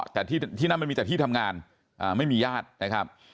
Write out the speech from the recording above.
แต่ที่นั่นมันมีแต่ที่ทำงานไม่มีญาตินะครับ